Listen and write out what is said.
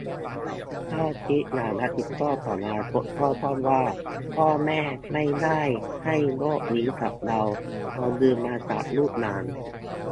ถ้าคิดอย่างรับผิดชอบต่ออนาคตก็ต้องว่า 'พ่อแม่ไม่ได้ให้โลกนี้กับเรา เรายืมมาจากลูกหลาน'